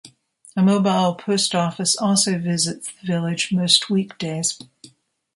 A mobile post office also visits the village most weekdays.